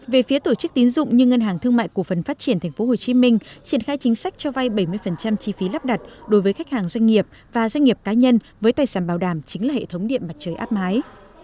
về phía tổ chức tín dụng như ngân hàng thương mại cổ phần phát triển tp hcm triển khai chính sách cho vay bảy mươi chi phí lắp đặt đối với khách hàng doanh nghiệp và doanh nghiệp cá nhân với tài sản bảo đảm chính là hệ thống điện mặt trời áp mái